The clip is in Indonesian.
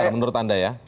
menurut anda ya